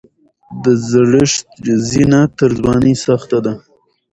د زړښت زینه تر ځوانۍ سخته ده.